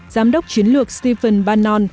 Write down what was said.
giám đốc chiến lược stephen bannon